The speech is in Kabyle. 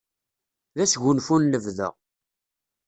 D asgunfu n lebda.